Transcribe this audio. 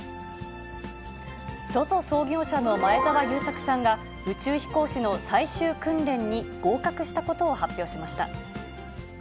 ＺＯＺＯ創業者の前澤友作さんが、宇宙飛行士の最終訓練に合格したことを発表しました。